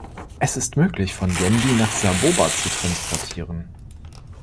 Es ist möglich, von Yendi nach Saboba zu transportieren.